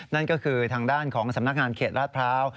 นั่นก็คือทางด้านของสำนักงานเขตลาดพร้าว